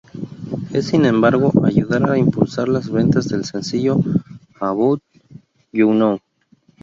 Es, sin embargo, ayudar a impulsar las ventas del sencillo, "About You Now".